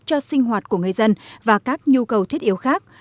cho sinh hoạt của người dân và các nhu cầu thiết yếu khác